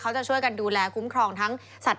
เพราะฉะนั้นคุณมิ้นท์พูดเนี่ยตรงเป้งเลย